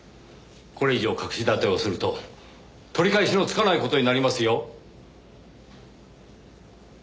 これ以上隠し立てをすると取り返しのつかない事になりますよ。